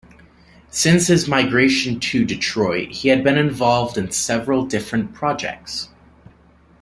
Since his migration to Detroit he had been involved in several different projects.